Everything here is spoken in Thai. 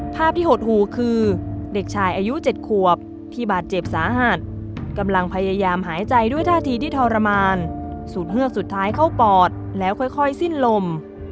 ภาพที่หดหูคือเด็กชายอายุ๗ขวบที่บาดเจ็บสาหัสกำลังพยายามหายใจด้วยท่าทีที่ทรมานสูดเฮือกสุดท้ายเข้าปอดแล้วค่อยสิ้นลม